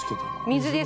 水です。